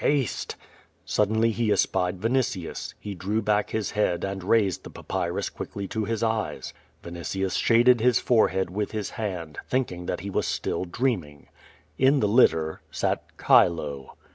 Make haste!*' Suddenly he espied Vinitius. He drew back his head and raised the papyrus quickly to his eyes. Vinitius shaded his forehead with his hand, thinking that he was still dreaming. 396 QUO VADIS. In the litter sat Chilo.